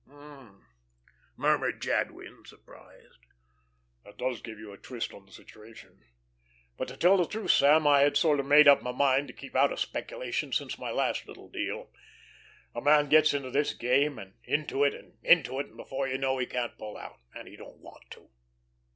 "Hum!" murmured Jadwin surprised. "That does give you a twist on the situation. But to tell the truth, Sam, I had sort of made up my mind to keep out of speculation since my last little deal. A man gets into this game, and into it, and into it, and before you know he can't pull out and he don't want to.